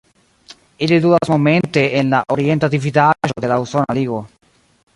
Ili ludas momente en la Orienta Dividaĵo de la Usona Ligo.